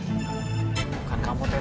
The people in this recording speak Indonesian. bukan kamu tutup